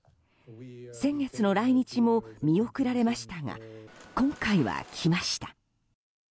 先月の来日も見送られましたが今回は来ました。